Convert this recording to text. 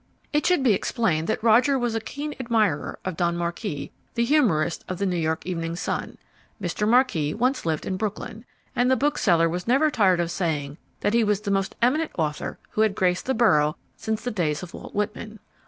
It should be explained that Roger was a keen admirer of Don Marquis, the humourist of the New York Evening Sun. Mr. Marquis once lived in Brooklyn, and the bookseller was never tired of saying that he was the most eminent author who had graced the borough since the days of Walt Whitman.